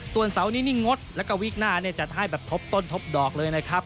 ส่วนเสาร์นี้นี่งดแล้วก็วีกหน้าจัดให้แบบทบต้นทบดอกเลยนะครับ